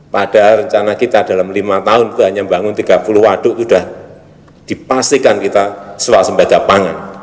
padahal rencana kita dalam lima tahun itu hanya membangun tiga puluh waduk sudah dipastikan kita swasembada pangan